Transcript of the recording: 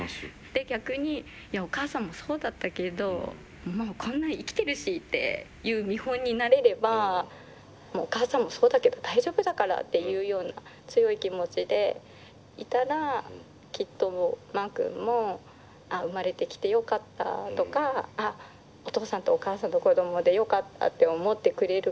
で逆にお母さんもそうだったけどこんな生きてるしっていう見本になれればお母さんもそうだけど大丈夫だからっていうような強い気持ちでいたらきっとマー君もああ生まれてきてよかったとかああお父さんとお母さんの子供でよかったって思ってくれるかなというか。